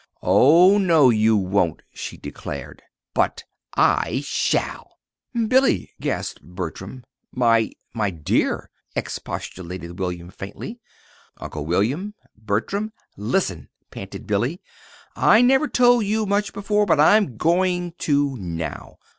"Oh, no, you won't," she declared; "but I shall." "Billy!" gasped Bertram. "My my dear!" expostulated William, faintly. "Uncle William! Bertram! Listen," panted Billy. "I never told you much before, but I'm going to, now.